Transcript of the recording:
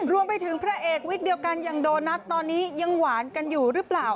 รวมไปถึงพระเอกวิกเดียวกันอย่างโดนัทตอนนี้ยังหวานกันอยู่หรือเปล่า